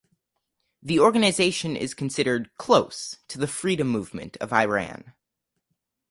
The organization is considered close to the Freedom Movement of Iran.